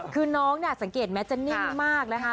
คือน้องสังเกตแม้จะนิ่งมากแล้วค่ะ